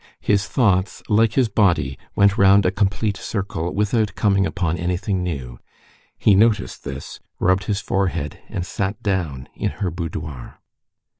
His thoughts, like his body, went round a complete circle, without coming upon anything new. He noticed this, rubbed his forehead, and sat down in her boudoir.